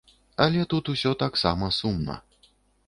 Але тут усё таксама сумна.